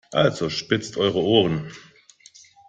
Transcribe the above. Also spitzt eure Ohren!